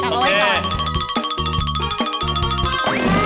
เอาไว้ก่อน